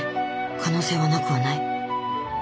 可能性はなくはない。